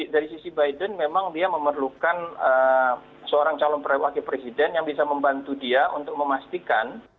dari sisi biden memang dia memerlukan seorang calon wakil presiden yang bisa membantu dia untuk memastikan